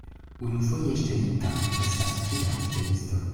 Unufoje ŝtelinta restas ĉiam ŝtelisto.